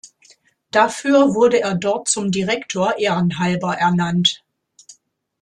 Dafür wurde er dort zum Direktor ehrenhalber ernannt.